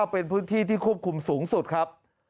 เป็นพื้นที่ที่ควบคุมสูงสุดครับ